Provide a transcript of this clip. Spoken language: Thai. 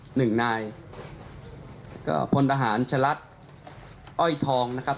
หนึ่งนายเอ่อพลทหารชะลัดอ้อยทองนะครับ